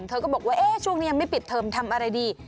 เธอก็บอกว่าช่วงนี้ยังไม่ปิดเทอมทำอะไรดี